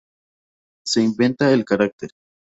Se inventa el carácter.